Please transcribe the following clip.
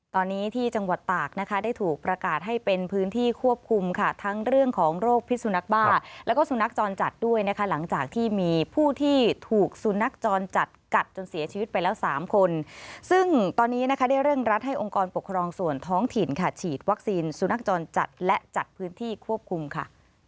ตอนนี้ที่จังหวัดตากนะคะได้ถูกประกาศให้เป็นพื้นที่ควบคุมค่ะทั้งเรื่องของโรคพิษสุนักบ้าแล้วก็สุนัขจรจัดด้วยนะคะหลังจากที่มีผู้ที่ถูกสุนัขจรจัดกัดจนเสียชีวิตไปแล้วสามคนซึ่งตอนนี้นะคะได้เร่งรัดให้องค์กรปกครองส่วนท้องถิ่นค่ะฉีดวัคซีนสุนัขจรจัดและจัดพื้นที่ควบคุมค่ะ